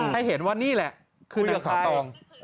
ให้เห็นว่านี่แหละคือนางสาวตอง